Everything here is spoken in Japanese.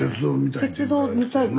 鉄道見たいって。